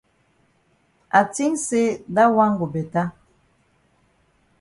I tink say dat wan go beta.